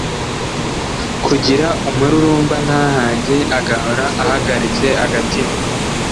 kugira umururumba, ntahage, agahora ahagaritse agatima.